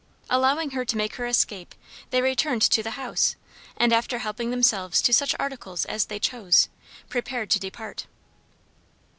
Allowing her to make her escape, they returned to the house, and after helping themselves to such articles as they chose, prepared to depart.